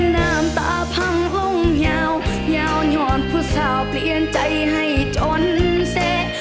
น้ำตาพังห้องยาวยาวหย่อนผู้สาวเปลี่ยนใจให้จนเสร็จ